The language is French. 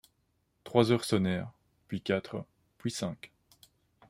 Trois heures sonnèrent, puis quatre, puis cinq.